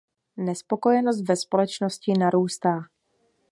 Nespokojenost ve společnosti narůstá.